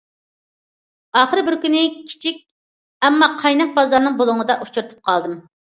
ئاخىرى بىر كۈنى كىچىك ئەمما قايناق بازارنىڭ بۇلۇڭىدا ئۇچرىتىپ قالدىم.